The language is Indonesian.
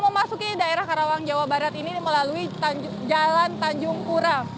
memasuki daerah karawang jawa barat ini melalui jalan tanjung pura